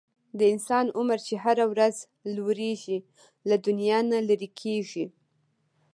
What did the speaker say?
د انسان عمر چې هره ورځ لږیږي، له دنیا نه لیري کیږي